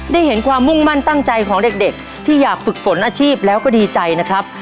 เห็นความมุ่งมั่นตั้งใจของเด็กที่อยากฝึกฝนอาชีพแล้วก็ดีใจนะครับ